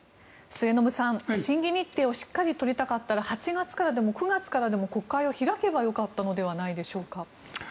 末延さん審議日程をしっかり取りたかったら８月からでも９月からでも国会を開けばよかったのではないでしょうか。